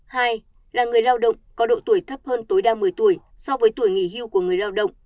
hai là người lao động có độ tuổi thấp hơn tối đa một mươi tuổi so với tuổi nghỉ hưu của người lao động